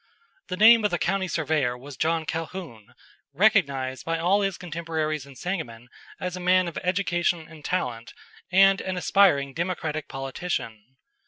The name of the county surveyor was John Calhoun, recognized by all his contemporaries in Sangamon as a man of education and talent and an aspiring Democratic politician.